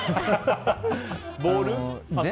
ボール？